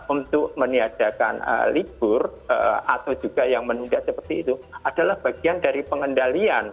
untuk meniadakan libur atau juga yang menunda seperti itu adalah bagian dari pengendalian